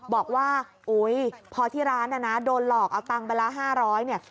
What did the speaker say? บอกว่าพอที่ร้านนะนะโดนหลอกเอาเงินเงินบาละ๕๐๐เนี่ย